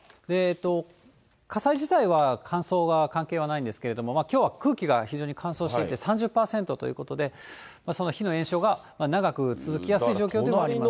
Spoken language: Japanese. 火災自体は乾燥は関係はないんですけども、きょうは空気が非常に乾燥していて、３０％ということで、その火の延焼が長く続きやすい状況というのはありますね。